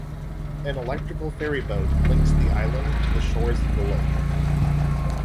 An electrical ferry boat links the island to the shores of the lake.